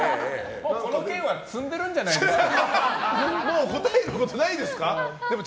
この件は詰んでるんじゃないですか。